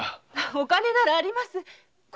お金ならあります。